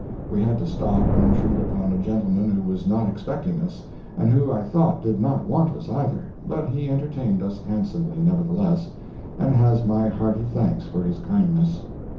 We had to stop and intrude upon a gentleman who was not expecting us, and who I thought did not want us, either, but he entertained us handsomely, nevertheless, and has my hearty thanks for his kindness.